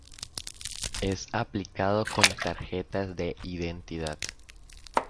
Es aplicado con tarjetas de identidad.